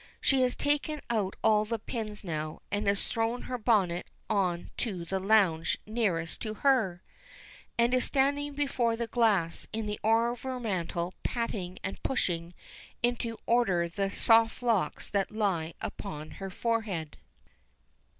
She has taken out all the pins now, and has thrown her bonnet on to the lounge nearest to her, and is standing before the glass in the overmantel patting and pushing into order the soft locks that lie upon her forehead.